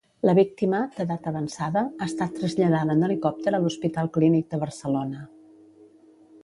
La víctima, d'edat avançada, ha estat traslladada en helicòpter a l'Hospital Clínic de Barcelona.